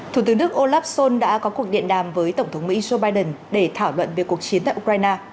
thủ tướng đức olaf schol đã có cuộc điện đàm với tổng thống mỹ joe biden để thảo luận về cuộc chiến tại ukraine